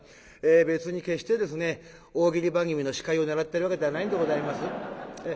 別に決して大喜利番組の司会を狙ってるわけではないんでございます。